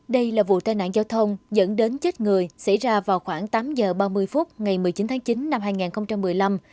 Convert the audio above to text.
đây là vụ tai nạn giao thông dẫn đến chết người xảy ra vào khoảng tám giờ ba mươi phút ngày một mươi chín tháng chín năm hai nghìn một mươi năm